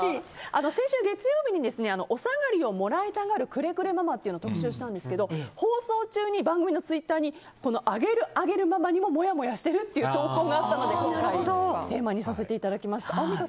先週月曜日におさがりをもらいたがるクレクレママというのを特集したんですけども、放送中に番組のツイッターにあげるあげるママにももやもやしているという投稿があったので今回、テーマにさせていただきました。